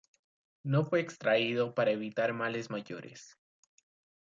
No fue extraído para evitar males mayores.